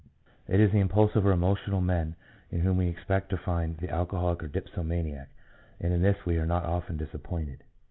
It is the impulsive or emotional men in whom we expect to find the alcoholic or dipsomaniac, 1 and in this we are not often disappointed.